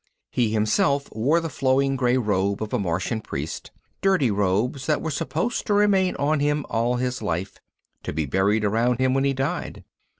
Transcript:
He, himself, wore the flowing grey robe of a Martian priest, dirty robes that were supposed to remain on him all his life, to be buried around him when he died.